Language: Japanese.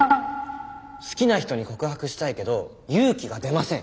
「好きな人に告白したいけど勇気が出ません」。